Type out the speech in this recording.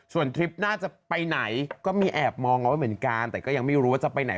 ส่วนทริปน่าจะไปไหนก็มีแอบมองเอาไว้เหมือนกันแต่ก็ยังไม่รู้ว่าจะไปไหน